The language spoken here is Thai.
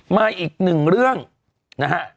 มาอีกหนึ่งเรื่องนะฮะ